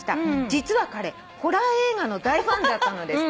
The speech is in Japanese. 「実は彼ホラー映画の大ファンだったのです」